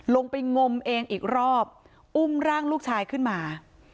ลงไปงมเองอีกรอบอุ้มร่างลูกชายขึ้นมา